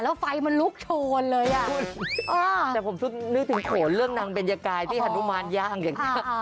แล้วไฟมันลุกโชนเลยอ่ะคุณแต่ผมนึกถึงโขนเรื่องนางเบญกายที่ฮานุมานย่างอย่างนี้